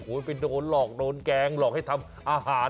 โหเป็นคนหลอกโรนแกงหลอกให้ทำอาหาร